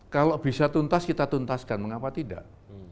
kalau bisa tuntas kita tuntaskan mengapa tidak